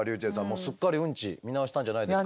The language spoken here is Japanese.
もうすっかりウンチ見直したんじゃないですか？